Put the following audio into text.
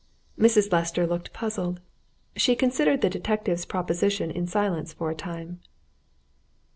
Mrs. Lester looked puzzled. She considered the detective's proposition in silence for a time.